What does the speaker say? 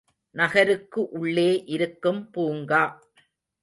நகருக்கு உள்ளே இருக்கும் பூங்கா.